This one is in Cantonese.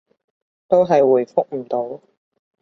都係回覆唔到